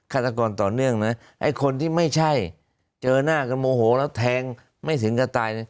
ฆาตกรต่อเนื่องนะไอ้คนที่ไม่ใช่เจอหน้ากันโมโหแล้วแทงไม่ถึงกับตายนะ